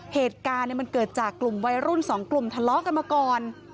เหตุการณ์มันเกิดจากกลุ่มวัยรุ่นสองกลุ่มทะเลาะกันมาก่อน